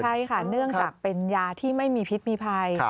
ใช่ค่ะเนื่องจากเป็นยาที่ไม่มีพิษมีภัย